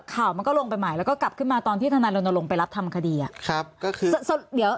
ข่าวมันก็ลงไปใหม่แล้วก็กลับขึ้นมาตอนที่ธนาลงไปรับทำคดี